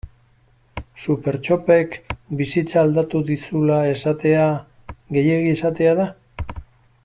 Supertxopek bizitza aldatu dizula esatea gehiegi esatea da?